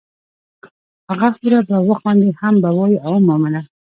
هغه حوره به وخاندي هم به وائي ای مومنه!